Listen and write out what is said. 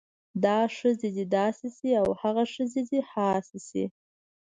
دا ښځې د داسې شی او هاغه ښځې د هاسې شی